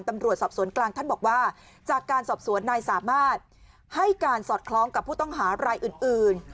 ตำรวจสอบสวนกลางท่านบอกว่าจากการสอบสวนนายสามารถให้การสอดคล้องกับผู้ต้องหารายอื่น